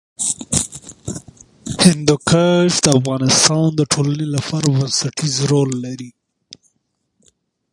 هندوکش د افغانستان د ټولنې لپاره بنسټيز رول لري.